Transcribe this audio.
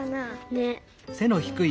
ねっ。